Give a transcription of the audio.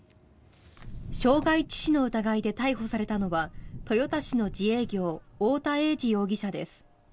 傷害致死の疑いで逮捕されたのは豊田市の自営業太田栄治容疑者です。